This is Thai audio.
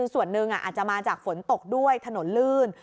ส่วนหนึ่งอาจจะมาจากฝนตกด้วยถนนลื่น